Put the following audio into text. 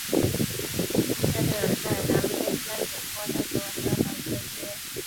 泰累尔在南非开普敦大学完成了早期的学业。